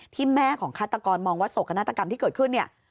ที่แม่ของฆาตกรมองว่าโศกนาฏกรรมที่เกิดขึ้นเนี่ย